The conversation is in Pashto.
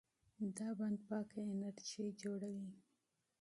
دا بند پاکه انرژي جوړوي.